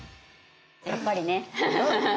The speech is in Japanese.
やっぱりね。